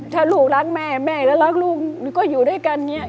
ถ้าลูกรักแม่แม่แล้วรักลูกก็อยู่ด้วยกันอย่างนี้